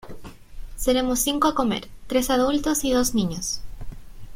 Seremos cinco a comer, tres adultos y dos niños.